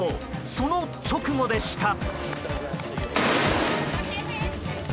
その直後でした。